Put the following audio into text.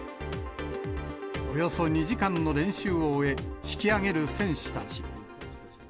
およそ２時間の練習を終え、引きあげる選手たち。